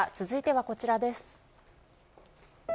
続いてはこちらです。